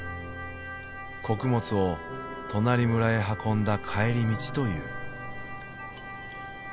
穀物を隣村へ運んだ帰り道という。